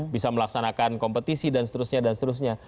bisa melaksanakan kompetisi dan seterusnya